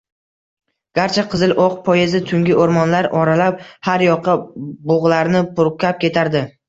Garchi “Qizil oʻq” poyezdi tungi oʻrmonlar oralab har yoqqa bugʻlarini purkab ketardi.